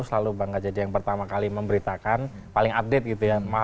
selalu bangga jadi yang pertama kali memberitakan paling update gitu ya